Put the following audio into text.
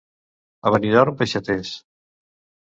A Benidorm, peixaters.